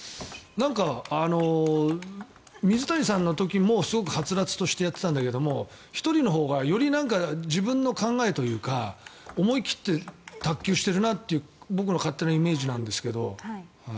なんか、水谷さんの時もすごくはつらつとしてやっていたんだけども１人のほうがより自分の考えというか思い切って卓球しているなって僕の勝手なイメージなんですけど。